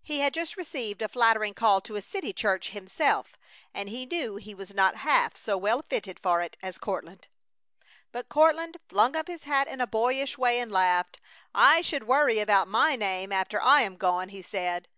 He had just received a flattering call to a city church himself, and he knew he was not half so well fitted for it as Courtland. But Courtland flung up his hat in a boyish way and laughed. "I should worry about my name after I am gone," he said.